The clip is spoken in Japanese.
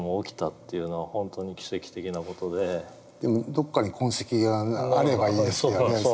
でもどこかに痕跡があればいいですよね。